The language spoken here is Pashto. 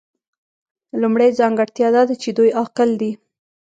لومړۍ ځانګړتیا دا ده چې دوی عاقل دي.